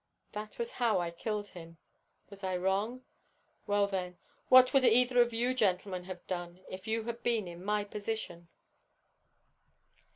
That was how I killed him. Was I wrong? Well, then, what would either of you gentlemen have done if you had been in my position?"